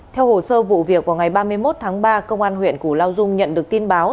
theo hồ sơ vụ việc vào ngày ba mươi một tháng ba công an huyện củ lao dung nhận được tin báo